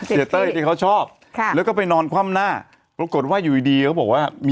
เต้ยที่เขาชอบค่ะแล้วก็ไปนอนคว่ำหน้าปรากฏว่าอยู่ดีดีเขาบอกว่ามี